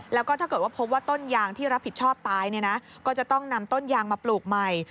แล้วก็ถ้าเกิดว่าพบว่าต้นยางที่รับผิดชอบตายเนี่ยนะก็จะต้องนำต้นยางมาปลูกใหม่